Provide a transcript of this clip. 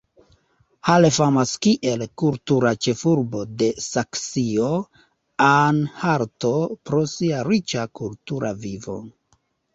Halle famas kiel "kultura ĉefurbo" de Saksio-Anhalto pro sia riĉa kultura vivo.